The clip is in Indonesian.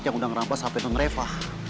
yang udah ngerampas hp penuh reva